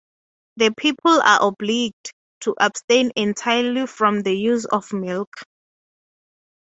The people are obliged to abstain entirely from the use of milk.